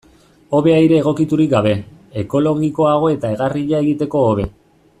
Hobe aire egokiturik gabe, ekologikoago eta egarria egiteko hobe.